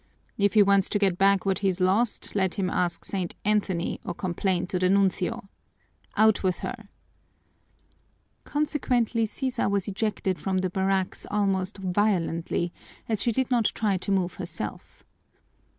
"If he wants to get back what he's lost, let him ask St. Anthony or complain to the nuncio. Out with her!" Consequently, Sisa was ejected from the barracks almost violently, as she did not try to move herself.